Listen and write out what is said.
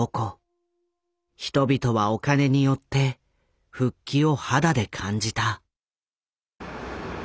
人々はお金によって復帰を肌で感じた。